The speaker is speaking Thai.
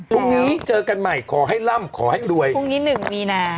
พรุ่งนี้เจอกันใหม่ขอให้ล่ำขอให้รวยพรุ่งนี้หนึ่งมีนา